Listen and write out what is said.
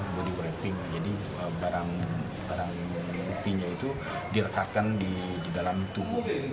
body wrapping jadi barang barang buktinya itu direkapkan di dalam tubuh